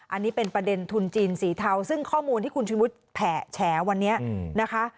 อันนี้เป็นประเด็นทุนจีนสีเทาซึ่งข้อมูลที่คุณชุวิตแฉวันนี้นะคะ